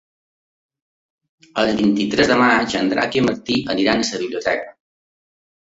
El vint-i-tres de maig en Drac i en Martí aniran a la biblioteca.